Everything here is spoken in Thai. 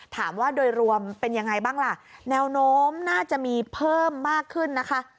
ถามว่าโดยรวมเป็นยังไงบ้างล่ะแนวโน้มน่าจะมีเพิ่มมากขึ้นนะคะ